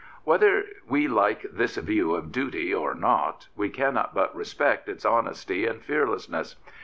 *' Whether we like this view of duty or not, we cannot but respect its honesty and fearlessness.